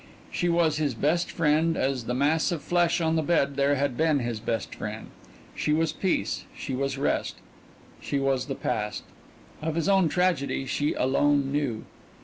She was his best friend as the mass of flesh on the bed there had been his best friend. She was peace, she was rest; she was the past. Of his own tragedy she alone knew.